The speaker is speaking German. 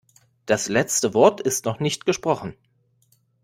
Das letzte Wort ist noch nicht gesprochen.